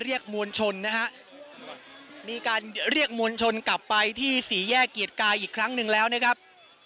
มวลชนนะฮะมีการเรียกมวลชนกลับไปที่สี่แยกเกียรติกายอีกครั้งหนึ่งแล้วนะครับ